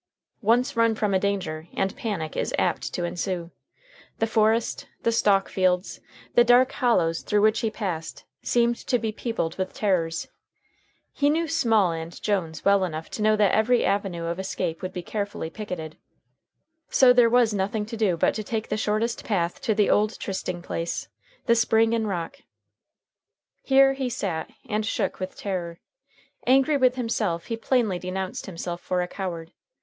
Once run from a danger, and panic is apt to ensue. The forest; the stalk fields, the dark hollows through which he passed, seemed to be peopled with terrors. He knew Small and Jones well enough to know that every avenue of escape would be carefully picketed. So there was nothing to do but to take the shortest path to the old trysting place, the Spring in rock. Here he sat and shook with terror. Angry with himself, he inly denounced himself for a coward.